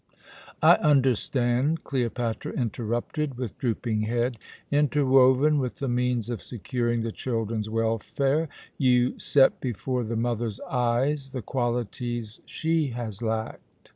"I understand," Cleopatra interrupted, with drooping head. "Interwoven with the means of securing the children's welfare, you set before the mother's eyes the qualities she has lacked.